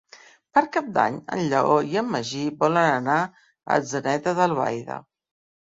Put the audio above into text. Per Cap d'Any en Lleó i en Magí volen anar a Atzeneta d'Albaida.